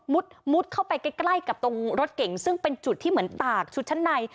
มุดเข้าไปใกล้กับตรงรถเก่งซึ่งเป็นจุดที่เหมือนตากชุดชั้นใน